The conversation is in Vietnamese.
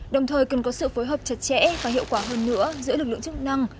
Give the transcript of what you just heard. đồng thời cần có sự phối hợp chặt chẽ và hiệu quả hơn nữa giữa lực lượng chức năng